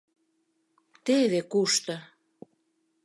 — Теве кушто!